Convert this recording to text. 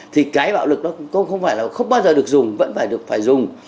thì cái bạo lực đó không phải là không bao giờ được dùng vẫn phải được phải dùng